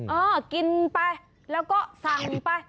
เออกินไปแล้วก็สั่งไป